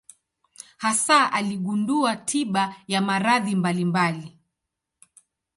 Hasa aligundua tiba ya maradhi mbalimbali.